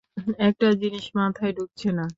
একটা জিনিস মাথায় ঢুকছে না।